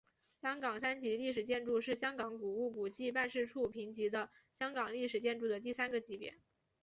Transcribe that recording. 香港三级历史建筑是香港古物古迹办事处评级的香港历史建筑的第三个级别。